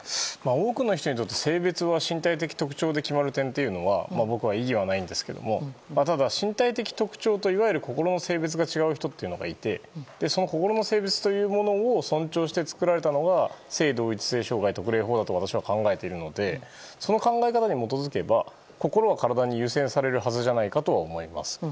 多くの人にとって性別は身体的特徴で決まる点というのは僕は異議はないんですけどただ、身体的特徴と心の性別が違う人というのがいてその心の性別というものを尊重して作られたのが性同一性障害特例法だと私は考えているのでその考え方に基づけば心は体に優先されるはずじゃないかとは思います。